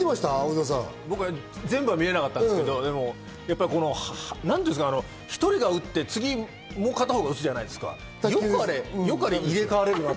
僕は全部は見れなかったんですけど、１人が打って、次もう片方、打つじゃないですか。